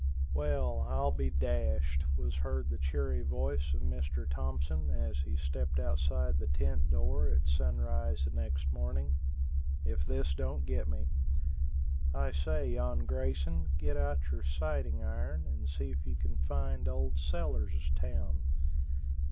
"Well, I'll be dashed," was heard the cheery voice of Mr. Thompson, as he stepped outside the tent door at sunrise next morning. "If this don't get me. I say, yon Grayson, get out your sighting iron and see if you can find old Sellers' town.